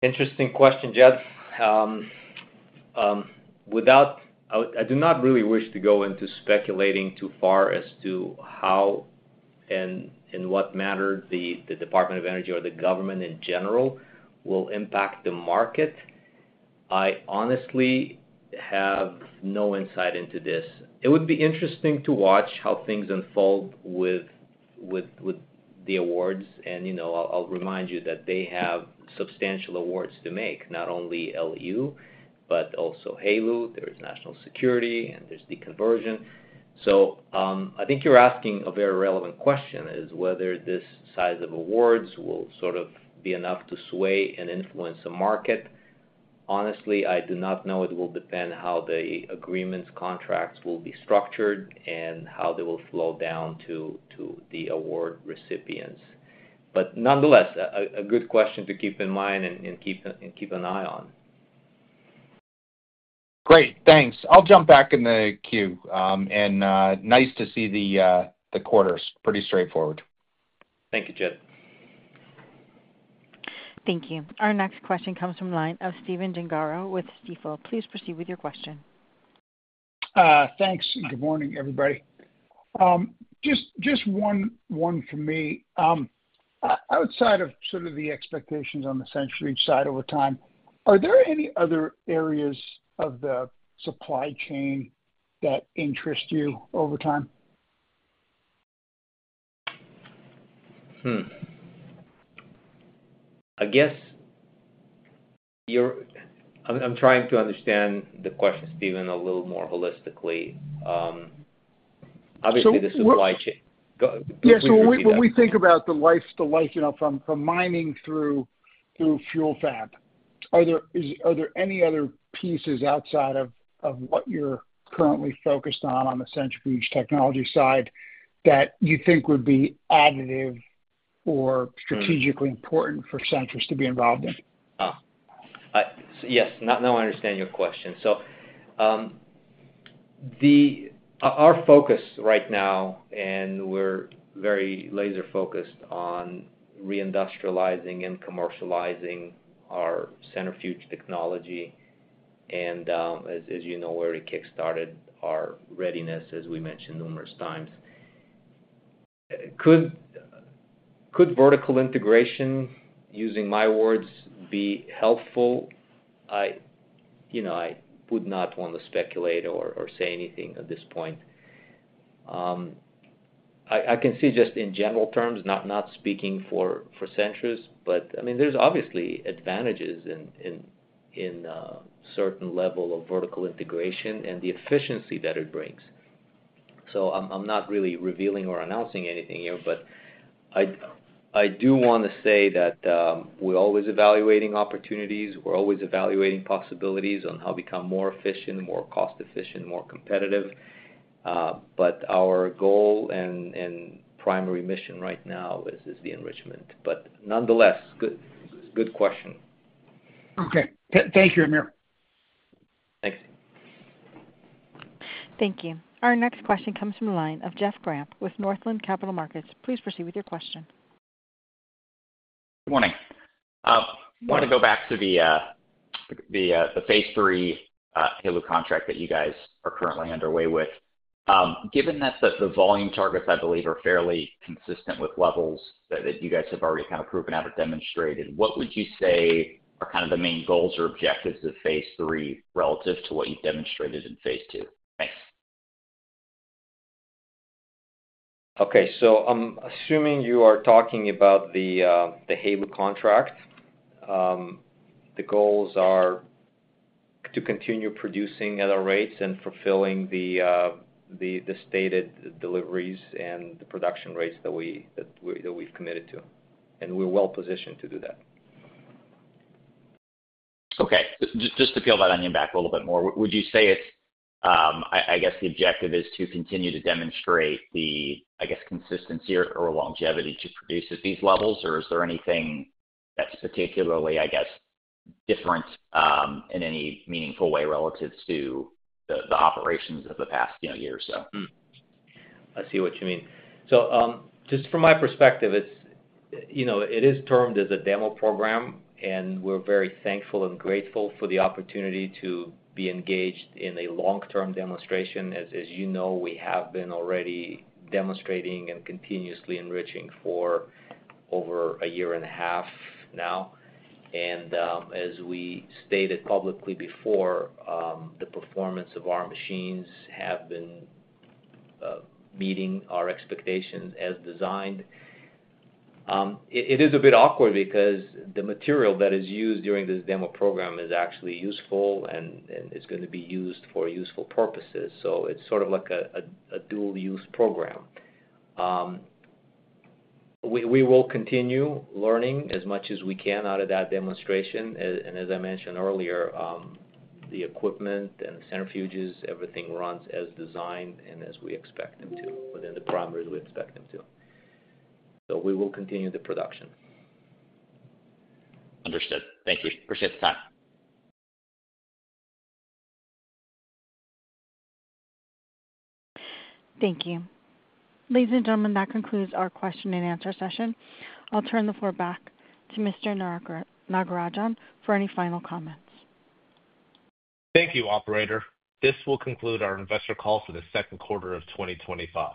Interesting question, Jed. I do not really wish to go. to speculate too far as to how and in what manner the Department of Energy or the government in general will impact the market. I honestly have no insight into this. It would be interesting to watch how things unfold with the awards, and you know, I'll remind you that they have substantial awards to make, not only LEU but also HALEU. There is national security and there's the conversion. I think you're asking a very relevant question, which is whether this size of awards will be enough to sway and influence the market. Honestly, I do not know. It will depend how the agreements and contracts will be structured and how they will flow down to the award recipients. Nonetheless, a good question to keep. In mind and keep an eye on. Great, thanks. I'll jump back in the queue. Nice to see the quarters. Pretty straightforward. Thank you, Jed. Thank you. Our next question comes from the line of Stephen Gengaro with Stifel. Please proceed with your question. Thanks. Good morning everybody. Just one for me. Outside of sort of the expectations on the Centrus side over time, are there any other areas of the supply chain that interest you over time? I guess you're trying to understand the question, Stephen. A little more holistically. Obviously, this is why. Yeah, when we think about the. Lifestyle, life, you know, from mining through fuel fab. Are there any other pieces outside of what you're currently focused on, on the centrifuge technology side that you think would be additive or strategically important for Centrus to be involved in? Yes, now I understand your question. So. Our focus right now, and we're very laser focused on reindustrializing and commercializing our centrifuge technology. As you know, we already kick started our readiness as we mentioned numerous times. Could vertical integration, using my words, be helpful? I would not want to speculate or say anything at this point. I can see just in general terms, not speaking for Centrus, but I mean there's obviously advantages in certain level of vertical integration and the efficiency that it brings. I'm not really revealing or announcing anything here. I do want to say that we're always evaluating opportunities, we're always evaluating possibilities on how to become more efficient, more cost efficient, more competitive. Our goal and primary mission right now is the enrichment. Nonetheless, good question. Okay, thank you, Amir. Thank you. Our next question comes from the line of Jeff Grant with Northland Capital Markets. Please proceed with your question. Good morning. Want to go back to the phase III HALEU contract that you guys are currently underway with. Given that the volume targets I believe are fairly consistent with levels that you guys have already kind of proven out or demonstrated, what would you say are kind of. The main goals or objectives of phase. III relative to what you've demonstrated in phase II? Thanks. Okay, so I'm assuming you are talking about the HALEU contract. The goals are to continue producing at our rates and fulfilling the stated deliveries. The production rates that we've committed to. We are well positioned to do that. Okay, just to peel that onion back a little bit more, would you say it's, I guess the objective is to continue to demonstrate the, I guess, consistency or longevity to produce at these levels, or is there anything that's particularly different in any meaningful way relative to the operations of the past year or so? I see what you mean. From my perspective, it's you. It is termed as a demo program, and we're very thankful and grateful for the opportunity to be engaged in a long-term demonstration. As you know, we have been already demonstrating and continuously enriching for over a year and a half now. As we stated publicly before, the performance of our machines has been. Meeting. Our expectations as designed. It is a bit awkward because the material that is used during this demo program is actually useful, and it's going to be used for useful purposes. It's sort of like a dual use program. We will continue learning as much as we can out of that demonstration. As I mentioned earlier, the equipment and the centrifuges, everything runs as designed and as we expect them to, within the parameters we expect them to. We will continue the production. Understood. Thank you. Appreciate the time. Thank you. Ladies and gentlemen, that concludes our question and answer session. I'll turn the floor back to Mr. Nagarajan for any final comments. Thank you, operator. This will conclude our investor call for the second quarter of 2025.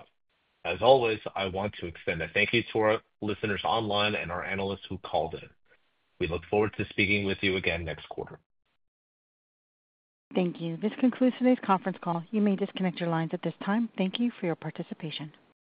As always, I want to extend a thank you to our listeners online and our analysts who called in. We look forward to speaking with you again next quarter. Thank you. This concludes today's conference call. You may disconnect your lines at this time. Thank you for your participation.